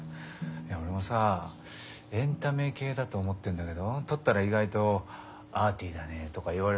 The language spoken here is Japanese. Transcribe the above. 俺もさエンタメ系だと思ってんだけど撮ったら意外とアーティーだねとか言われそうな気がしてさ。